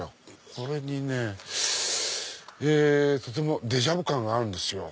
これにねとてもデジャビュ感があるんですよ。